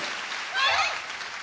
はい！